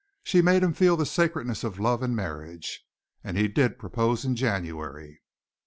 She made him feel the sacredness of love and marriage. And he did propose in January.